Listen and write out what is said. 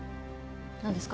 何ですか？